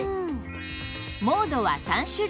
モードは３種類